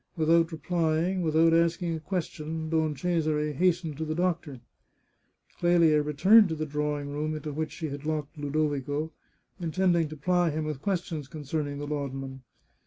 Without replying, without asking a question, Don Cesare hastened to the doctor. Clelia returned to the drawing room into which she had locked Ludovico, intending to ply him with questions con cerning the laudanum.